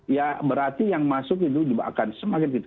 ya berarti yang masuk itu akan semakin kecil